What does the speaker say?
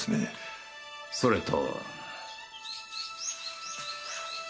それと。